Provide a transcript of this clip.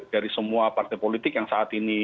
dari semua partai politik yang saat ini